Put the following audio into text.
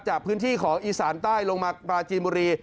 จากพื้นที่ของอีสานใต้ลงมาปลาจีนบุรี